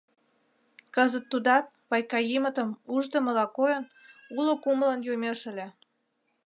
Кызыт тудат, Вайкаимытым уждымыла койын, уло кумылын йомеш ыле.